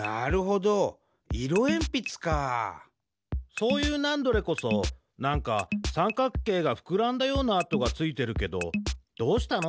そういうナンドレこそなんかさんかっけいがふくらんだような跡がついてるけどどうしたの？